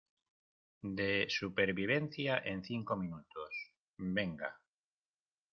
de supervivencia en cinco minutos. venga .